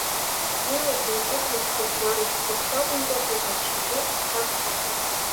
Илахь неиҵыхны дыхәмаруа, дыччо акәымкәа иҟазшьагьы аҽаԥсахит.